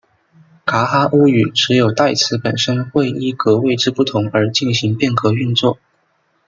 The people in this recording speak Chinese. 噶哈巫语只有代词本身会依格位之不同而进行变格运作。